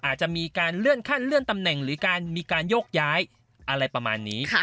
อาจจะมีการเลื่อนขั้นเลื่อนตำแหน่งหรือการมีการโยกย้ายอะไรประมาณนี้